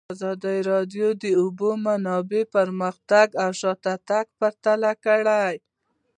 ازادي راډیو د د اوبو منابع پرمختګ او شاتګ پرتله کړی.